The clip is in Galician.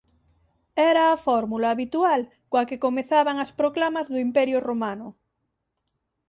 Era a fórmula habitual coa que comezaban as proclamas do Imperio Romano.